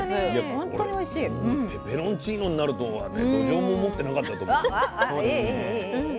ペペロンチーノになるとはねどじょうも思ってなかったと思うよ。